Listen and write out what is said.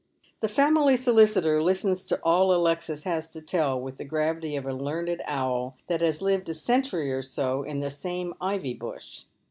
The family solicitor listens to all Alexis has to tell with the gravity of a learned owl that has lived a century or so in the same ivy bush.